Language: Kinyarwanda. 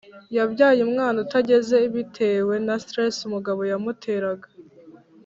Yabyaye umwana utageze bitewe na stress umugabo yamuteraga